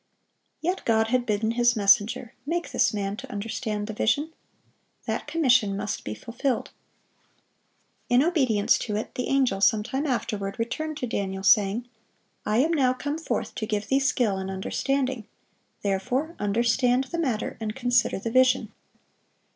Yet God had bidden His messenger, "Make this man to understand the vision." That commission must be fulfilled. In obedience to it, the angel, some time afterward, returned to Daniel, saying, "I am now come forth to give thee skill and understanding;" "therefore understand the matter, and consider the vision."